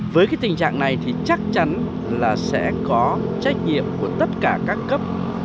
với cái tình trạng này thì chắc chắn là sẽ có trách nhiệm của tất cả các cấp